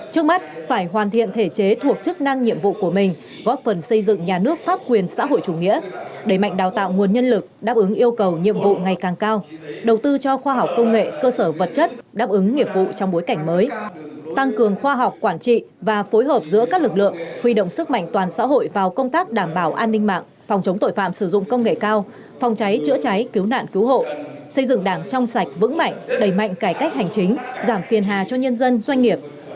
trước mắt phải hoàn thiện thể chế thuộc chức năng nhiệm vụ của mình góp phần xây dựng nhà nước pháp quyền xã hội chủ nghĩa đẩy mạnh đào tạo nguồn nhân lực đáp ứng yêu cầu nhiệm vụ ngày càng cao đầu tư cho khoa học công nghệ cơ sở vật chất đáp ứng nghiệp vụ trong bối cảnh mới tăng cường khoa học quản trị và phối hợp giữa các lực lượng huy động sức mạnh toàn xã hội vào công tác đảm bảo an ninh mạng phòng chống tội phạm sử dụng công nghệ cao phòng cháy chữa cháy cứu nạn cứu hộ xây d